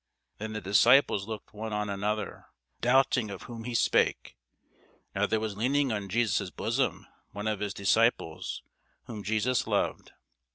Then the disciples looked one on another, doubting of whom he spake. Now there was leaning on Jesus' bosom one of his disciples, whom Jesus loved.